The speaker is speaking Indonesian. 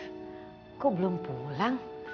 aku belum pulang